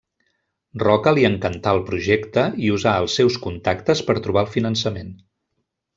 Roca li encantà el projecte i usà els seus contactes per trobar el finançament.